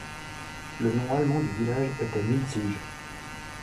Le nom allemand du village était Milzig.